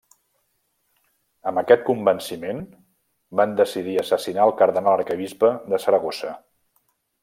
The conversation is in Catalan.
Amb aquest convenciment, van decidir assassinar al cardenal arquebisbe de Saragossa.